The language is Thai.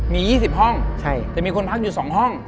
มี๒๐ห้องแต่มีคนพักอยู่๒ห้อง